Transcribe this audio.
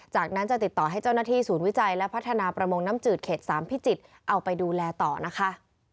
จากนั้นจะติดต่อให้เจ้าหน้าที่ศูนย์วิจัยและพัฒนาประมงน้ำจืดเขต๓พิจิตรเอาไปดูแลต่อนะคะ